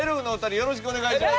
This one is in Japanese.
よろしくお願いします。